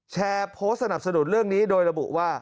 โพสต์สนับสนุนเรื่องนี้โดยระบุว่า